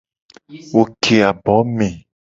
Wo ke abo me.